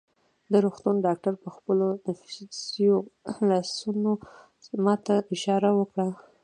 د روغتون ډاکټر په خپلو نفیسو لاسو ما ته اشاره وکړه.